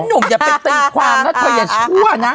นุ่มอย่าไปตีความนะอย่าช่วยนะ